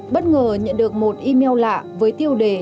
bất ngờ nhận được một email lạ với tiêu đề